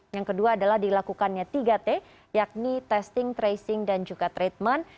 yang kedua adalah dilakukannya tiga t yakni testing tracing dan juga treatment